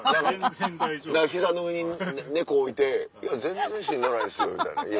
膝の上に猫置いて「全然しんどないですよ」みたいな。